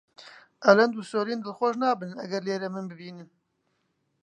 ئەلەند و سۆلین دڵخۆش نابن ئەگەر لێرە من ببینن.